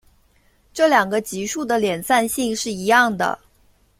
这两个级数的敛散性是一样的。